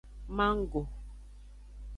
Mango.